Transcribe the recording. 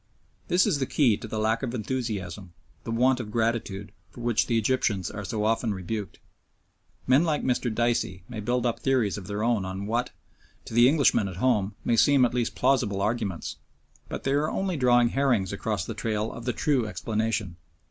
This is the key to the lack of enthusiasm, the want of gratitude, for which the Egyptians are so often rebuked. Men like Mr. Dicey may build up theories of their own on what, to the Englishman at home, may seem at least plausible arguments, but they are only drawing herrings across the trail of the true explanation.